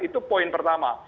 itu poin pertama